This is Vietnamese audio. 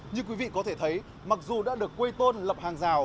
như quý vị có thể thấy mặc dù đã được quê tôn lập hàng rào